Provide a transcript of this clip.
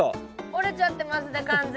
折れちゃってますね